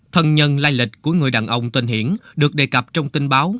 thân nhân lai lịch của người đàn ông tên hiển được đề cập trong tin báo